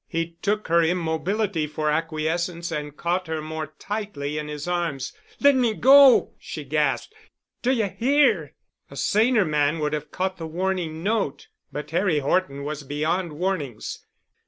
He took her immobility for acquiescence and caught her more tightly in his arms. "Let me go," she gasped. "Do you hear?" A saner man would have caught the warning note. But Harry Horton was beyond warnings.